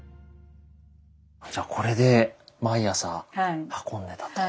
じゃこれで毎朝運んでたと。